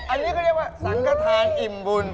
อันนี้ก็เรียกว่าสังกฐานอิ่มบุญ